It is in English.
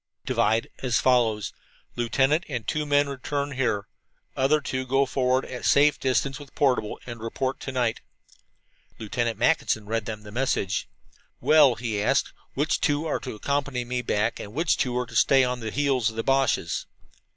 "Divide as follows: Lieutenant and two men return here; other two go forward at safe distance with portable, and report to night." Lieutenant Mackinson read them the message. "Well," he asked, "which two are to accompany me back, and which two are to stay on the heels of the Boches?"